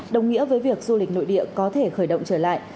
đồng nghĩa với việc du lịch nội địa có thể khởi động trở lại